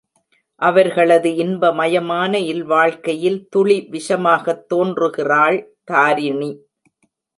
அவர்களது இன்பமயமான இல்வாழ்க்கையில் துளி விஷமாகத் தோன்றுகிறாள் தாரிணி.